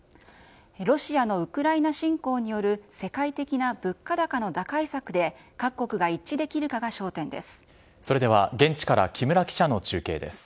ロシアのウクライナ侵攻による世界的な物価高の打開策で、各国が一致できるかが焦点です。